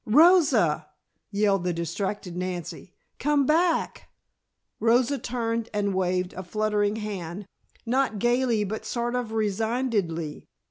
"Rosa!" yelled the distracted Nancy. "Come back " Rosa turned and waved a fluttering hand, not gayly but sort of resignedly.